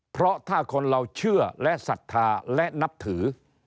เพราะถ้าคนเราเชื่อและศรัทธาและนับถือ